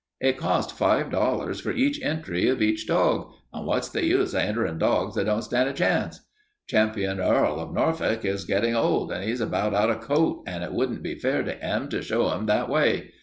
"It costs five dollars for each entry of each dog, and wot's the use of entering dogs that don't stand a chance? Ch. Earl of Norfolk is getting old and 'e's all out of coat, and it wouldn't be fair to 'im to show 'im that way.